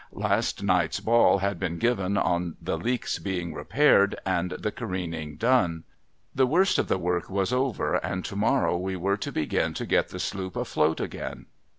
Last night's ball had been given, on the leak's being repaired, and the careening done. The worst of the work was over, and to morrow we were to begin to get the sloop afloat again.